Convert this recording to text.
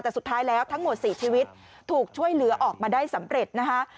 แต่สุดท้ายแล้วทั้งหมด๔ชีวิตถูกช่วยเหลือออกมาได้สำเร็จนะคะ